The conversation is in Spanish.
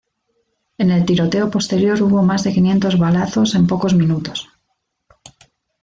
En el tiroteo posterior hubo más de quinientos balazos en pocos minutos.